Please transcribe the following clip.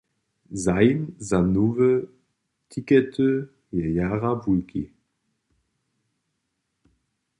Zajim za nowe tikety je jara wulki.